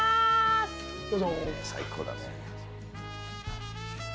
最高だね。